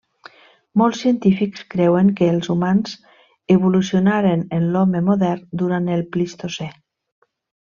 Molts científics creuen que els humans evolucionaren en l'home modern durant el Plistocè.